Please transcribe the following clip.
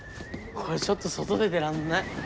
これちょっと外出てらんない。